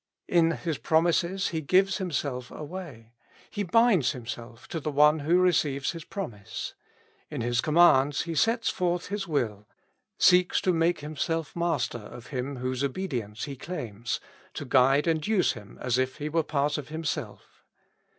In his promises he gives himself azuay, he binds himself to the one who receives his promise. In his commands he sets forth his will, seeks to make himself master of him whose obedience he claims, to guide and use him as if he were part of himself.